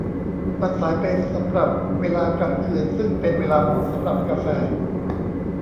มันสายไปสำหรับเวลากลางคืนซึ่งเป็นเวลาเหมาะสำหรับกาแฟ